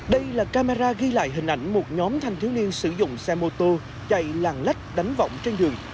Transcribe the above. đây là camera ghi lại hình ảnh một nhóm thanh thiếu niên sử dụng xe mô tô chạy làng lách đánh vọng trên đường